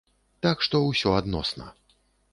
Так што, усё адносна.